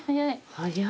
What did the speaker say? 早い。